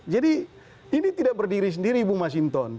jadi ini tidak berdiri sendiri bung mas hinton